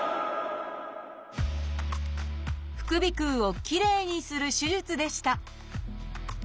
副鼻腔をきれいにする手術でした。